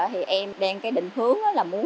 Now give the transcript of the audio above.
thì em đang cái định hướng là muốn